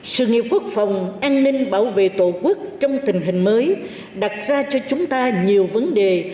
sự nghiệp quốc phòng an ninh bảo vệ tổ quốc trong tình hình mới đặt ra cho chúng ta nhiều vấn đề